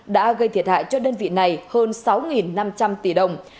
đã gây thiệt hại cho đơn vị này hơn sáu năm trăm linh tỷ đồng